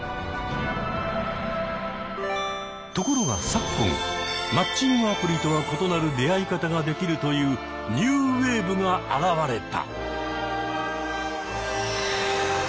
ところが昨今マッチングアプリとは異なる出会い方ができるというニューウェーブが現れた！